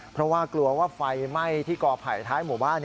เพราะว่ากลัวว่าไฟไหม้ที่กอไผ่ท้ายหมู่บ้าน